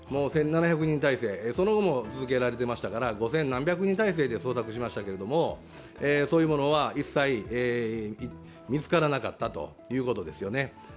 １７００人態勢、その後も続けられていましたから五千何百人態勢で捜索してましたがそういうものは見つからなかったということですね。